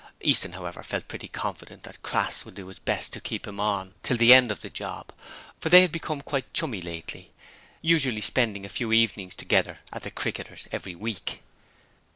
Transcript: Easton, however, felt pretty confident that Crass would do his best to get him kept on till the end of the job, for they had become quite chummy lately, usually spending a few evenings together at the Cricketers every week.